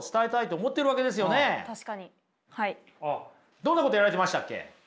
どんなことやられてましたっけ？